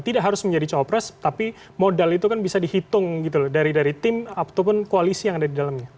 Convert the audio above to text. tidak harus menjadi cawapres tapi modal itu kan bisa dihitung gitu loh dari tim ataupun koalisi yang ada di dalamnya